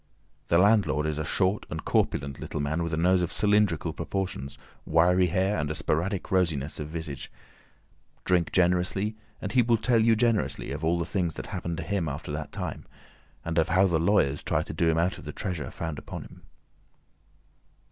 The landlord is a short and corpulent little man with a nose of cylindrical proportions, wiry hair, and a sporadic rosiness of visage. Drink generously, and he will tell you generously of all the things that happened to him after that time, and of how the lawyers tried to do him out of the treasure found upon him.